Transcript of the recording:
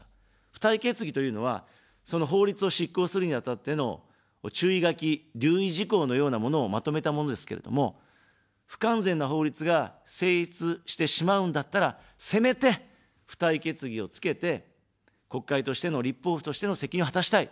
付帯決議というのは、その法律を執行するにあたっての注意書き、留意事項のようなものをまとめたものですけれども、不完全な法律が成立してしまうんだったら、せめて付帯決議をつけて、国会としての、立法府としての責任を果たしたい。